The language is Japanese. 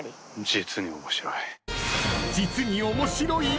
実に面白い。